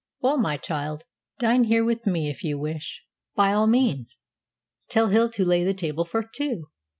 Well, my child, dine here with me if you wish, by all means. Tell Hill to lay the table for two.